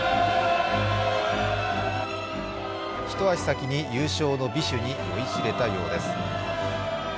一足先に優勝の美酒に酔いしれたようです。